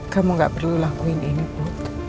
kamu gak perlu lakuin ini bu